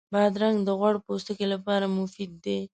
بادرنګ د غوړ پوستکي لپاره مفید دی.